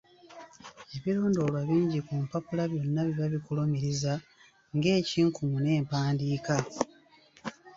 Ebirondoolwa bingi ku lupapula byonna biba bikulumuriza, ng'ekinkumu n'empandiika.